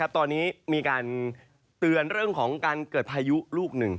ตอนนี้มีการเตือนเรื่องของการเกิดพายุลูกหนึ่ง